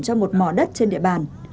cho một mỏ đất trên địa bàn